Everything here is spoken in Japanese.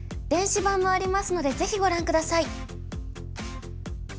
電子版もありますのでぜひご覧下さい。